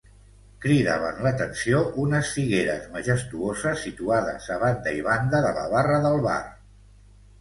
Cridaven l'atenció unes figueres majestuoses situades a banda i banda de la barra del bar.